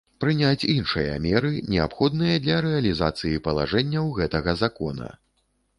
Прыняць iншыя меры, неабходныя для рэалiзацыi палажэнняў гэтага Закона.